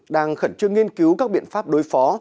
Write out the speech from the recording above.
đang khẩn trương nghiên cứu các biện pháp đối phó